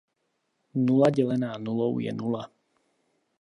Nula dělená nulou je nula.